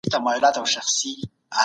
تاسو باید د خپلې ټولني تاریخ ولولئ.